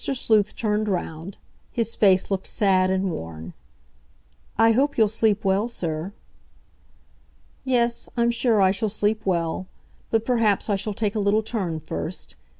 Sleuth turned round. His face looked sad and worn. "I hope you'll sleep well, sir." "Yes, I'm sure I shall sleep well. But perhaps I shall take a little turn first.